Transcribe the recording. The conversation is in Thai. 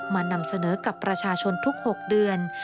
นำเสนอกับประชาชนทุก๖เดือน